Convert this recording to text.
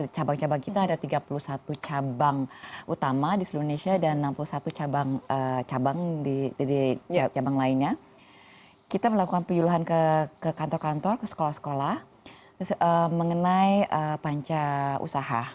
cabang cabang kita ada tiga puluh satu cabang utama di seluruh indonesia dan enam puluh satu di cabang lainnya kita melakukan penyuluhan ke kantor kantor ke sekolah sekolah mengenai panca usaha